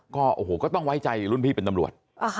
ก็โอ้โหก็ต้องไว้ใจรุ่นพี่เป็นตำรวจ